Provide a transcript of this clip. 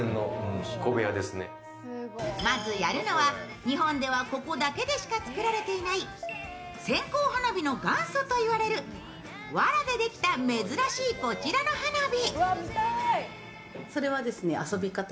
まずやるのは日本ではここだけでしか作られていない線香花火の元祖といわれるわらでできた珍しいこちらの花火。